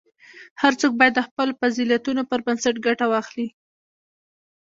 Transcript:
هر څوک باید د خپلو فضیلتونو پر بنسټ ګټه واخلي.